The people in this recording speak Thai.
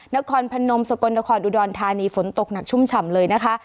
นครพนมสกลนครอุดรธานีฝนตกหนักชุ่มฉ่ำเลยนะคะ